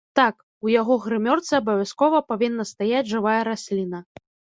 Так, у яго грымёрцы абавязкова павінна стаяць жывая расліна.